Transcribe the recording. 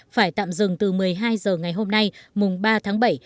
phải tạm dừng từ một mươi hai h ngày hôm nay mùng ba tháng bảy